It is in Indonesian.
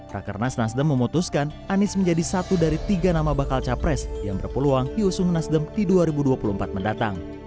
rakernas nasdem memutuskan anies menjadi satu dari tiga nama bakal capres yang berpeluang diusung nasdem di dua ribu dua puluh empat mendatang